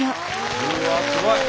うわすごい！